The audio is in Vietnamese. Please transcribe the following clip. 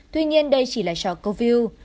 tuy nhiên đây chỉ là cho câu view